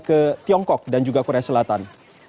ke tiongkok dan juga korea selatan